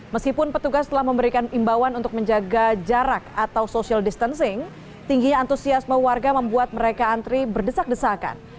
meskipun petugas telah memberikan imbauan untuk menjaga jarak atau social distancing tingginya antusiasme warga membuat mereka antri berdesak desakan